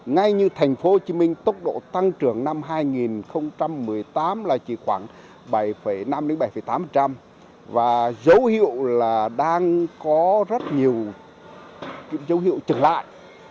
ngay như tp hcm tốc độ tăng trưởng năm hai nghìn một mươi tám là chỉ khoảng bảy năm bảy tám và dấu hiệu là đang có rất nhiều dấu hiệu chậm lại